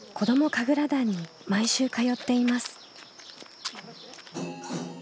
神楽団に毎週通っています。